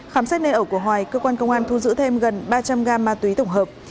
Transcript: khám xét nơi ở của huỳnh thanh hoài cơ quan công an thu giữ thêm gần ba trăm linh gam ma túy tổng hợp